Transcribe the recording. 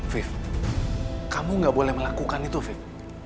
viv kamu gak boleh melakukan itu viv